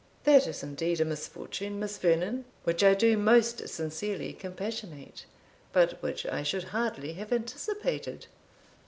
"That is indeed a misfortune, Miss Vernon, which I do most sincerely compassionate, but which I should hardly have anticipated."